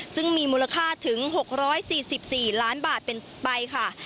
ซึ่งมีมูลค่าถึง๖๔๔ล้านบาทเป็นไปค่ะ